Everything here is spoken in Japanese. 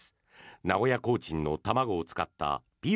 名古屋コーチンの卵を使ったぴよ